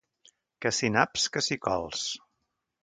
Que si naps, que si cols.